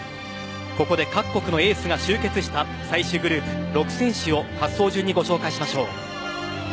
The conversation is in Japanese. ここで各国のエースが集結した最終グループ６選手を滑走順にご紹介しましょう。